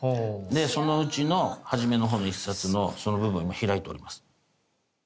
その内の始めの方の一冊のその部分開いております。